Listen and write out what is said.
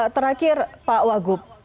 terakhir pak wagub